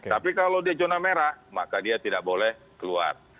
tapi kalau dia zona merah maka dia tidak boleh keluar